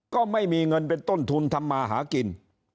ก็ไม่มีเงินเป็นต้นทุนทำมาหากิน